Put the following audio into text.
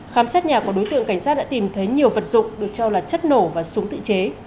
khám xét nhà của đối tượng cảnh sát đã tìm thấy nhiều vật dụng được cho là chất nổ và súng tự chế